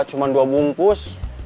cuma dua bungkus